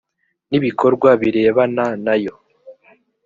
n ibikorwa birebana nayo